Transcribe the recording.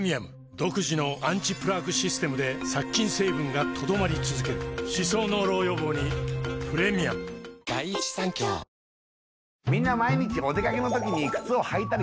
独自のアンチプラークシステムで殺菌成分が留まり続ける歯槽膿漏予防にプレミアムあと１周！